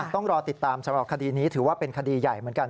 ต้องรอติดตามสำหรับคดีนี้ถือว่าเป็นคดีใหญ่เหมือนกัน